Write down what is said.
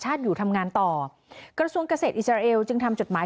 อยู่ทำงานต่อกระทรวงเกษตรอิสราเอลจึงทำจดหมาย